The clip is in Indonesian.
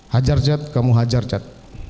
hajar chad kamu hajar chad